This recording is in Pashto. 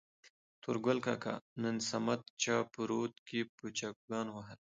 نورګل کاکا : نن صمد چا په رود کې په چاقيانو ووهلى.